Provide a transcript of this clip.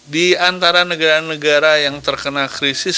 di antara negara negara yang terkena krisis